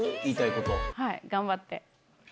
言はい、頑張って。